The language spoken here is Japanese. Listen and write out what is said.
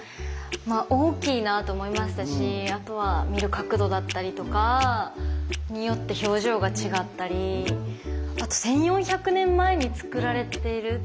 まあ大きいなと思いましたしあとは見る角度だったりとかによって表情が違ったりあと１，４００年前につくられている。